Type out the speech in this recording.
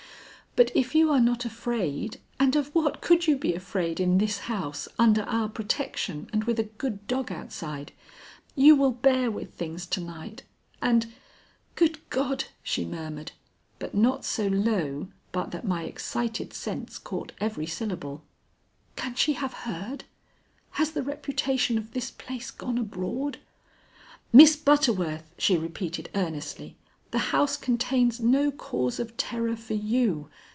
But if you are not afraid and of what could you be afraid in this house, under our protection, and with a good dog outside? you will bear with things to night, and Good God!" she murmured, but not so low but that my excited sense caught every syllable, "can she have heard? Has the reputation of this place gone abroad? Miss Butterworth," she repeated earnestly, "the house contains no cause of terror for you.